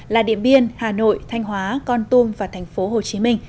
là điện biên hà nội thanh hóa con tôm và tp hcm